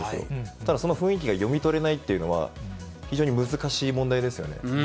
ただその雰囲気が読み取れないというのは、非常に難しい問題ですよね。